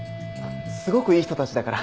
すごくいい人たちだから。